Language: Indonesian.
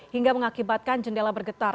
hingga mengakibatkan jendela bergetar